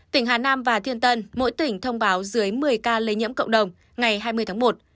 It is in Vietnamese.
tỉnh hà nam và thiên tân mỗi tỉnh thông báo dưới một mươi ca lây nhiễm cộng đồng ngày hai mươi tháng một